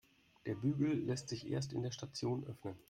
Der Bügel lässt sich erst in der Station öffnen.